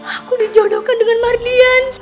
aku dijodohkan dengan mardian